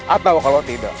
atau kalau tidak